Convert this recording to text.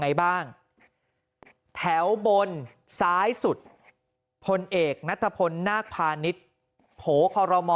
ไหนบ้างแถวบนซ้ายสุดพลเอกนัทพลนาคพาณิชย์โผล่คอรมอ